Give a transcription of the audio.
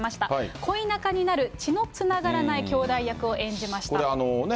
恋仲になる血のつながらない兄妹役を演じました。